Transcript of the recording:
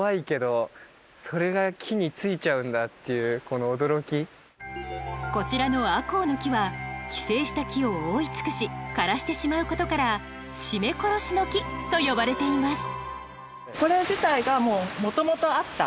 本君が注目したのはこちらのアコウの木は寄生した木を覆い尽くし枯らしてしまうことから「絞め殺しの木」と呼ばれています